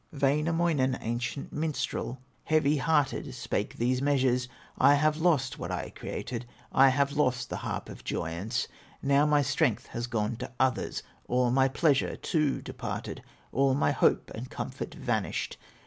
Wainamoinen, ancient minstrel, Heavy hearted, spake these measures: "I have lost what I created, I have lost the harp of joyance; Now my strength has gone to others, All my pleasure too departed, All my hope and comfort vanished!